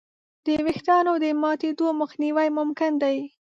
د وېښتیانو د ماتېدو مخنیوی ممکن دی.